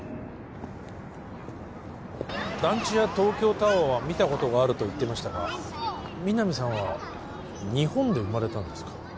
団地や東京タワーは見たことがあると言ってましたが皆実さんは日本で生まれたんですか？